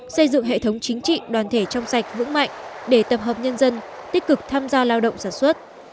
xây dựng hệ thống chính trị đoàn thể trong sạch vững mạnh để tập hợp nhân dân tích cực tham gia lao động sản xuất